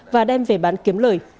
và đem về bán kiếm lời